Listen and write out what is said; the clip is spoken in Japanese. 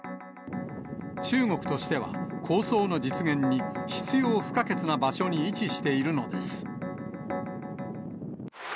中国としては、構想の実現に必要不可欠な場所に位置しているのです。